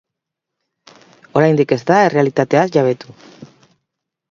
Oraindik ez da errealitateaz jabetu.